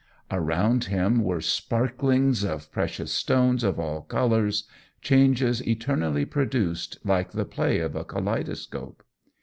Around him were sparklings of precious stones of all colours, changes eternally produced, like the play of a kaleidoscope.